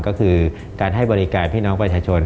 ก็คือการให้บริการพี่น้องประชาชน